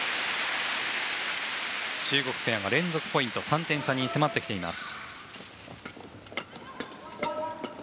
中国ペアが連続ポイントで３点差に迫っています。